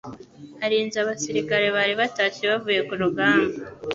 arinze abasirikare bari batashye bavuye ku rugamba